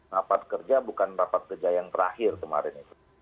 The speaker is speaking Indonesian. rapat kerja bukan rapat kerja yang terakhir kemarin itu